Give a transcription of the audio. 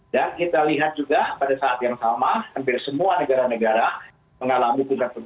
dan kita lihat juga pada saat yang sama hampir semua negara negara mengalami kegiatan yang baik